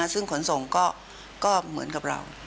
ซึ่งขนส่งก็เหมือนกับเรา